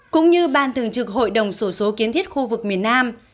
cũng như ban thường trực hội đồng sổ số kiến thiết khu vực miền nam